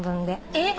えっ！？